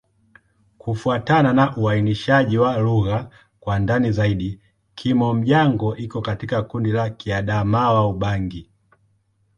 Kufuatana na uainishaji wa lugha kwa ndani zaidi, Kimom-Jango iko katika kundi la Kiadamawa-Ubangi.